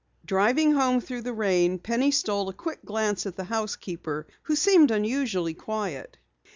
Driving home through the rain, Penny stole a quick glance at the housekeeper who seemed unusually quiet.